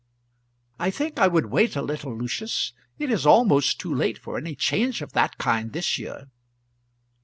"I think I would wait a little, Lucius. It is almost too late for any change of that kind this year."